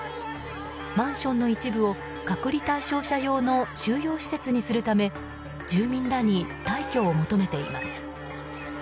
マンションの一部を隔離対象者用の収容施設にするため住民らに退去を求めています。